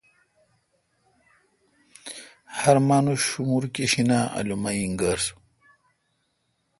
ہر مانوش شومور کیشیناں الومہ اینگر